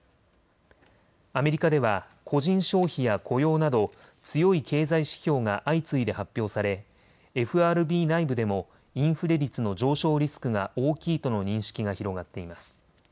アメリカでは個人消費や雇用など強い経済指標が相次いで発表されＦＲＢ内部でもインフレ率の上昇リスクが大きいとの認識が広がっています。